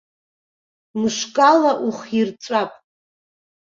Мышкала ухирҵәап!